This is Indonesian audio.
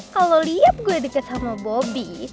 kalo liat gue deket sama bobby